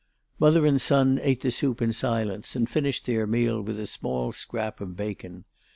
Mother and son ate the soup in silence and finished their meal with a small scrap of bacon.